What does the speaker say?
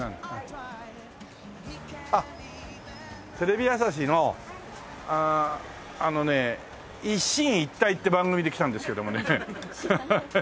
あっテレビ朝日のあのね「一進一退」って番組で来たんですけどもね。ハハハ。